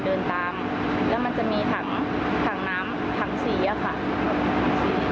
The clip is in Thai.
เดินตามแล้วมันจะมีถังถังน้ำถังสีอะค่ะ